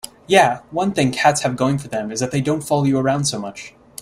Yeah, one thing cats have going for them is that they don't follow you around so much.